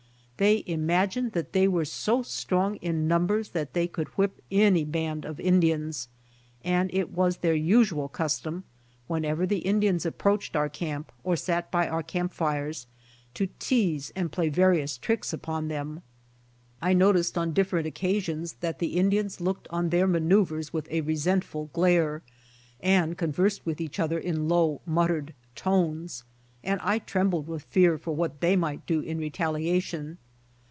They imag ined that they were so strong in numbers that they JOINING COMPANY WITH A BAND OF EMIGRANTS 79 could whip anv band of Indans, and it was their usual custom whenever the Indians approached our camp or sat by our camp fires to tease and play various tricks upon them. I noticed on different occa sions that the Indians looked on their manoeuvers with a resentful glare, and conversed with each lother in low muttered tones, and I trembled with fear for what they might do in retaliation.